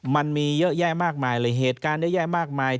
มันมีเยอะแยะมากมายเลยเหตุการณ์เยอะแยะมากมาย